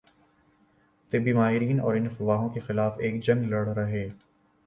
طبی ماہرین ان افواہوں کے خلاف ایک جنگ لڑ رہے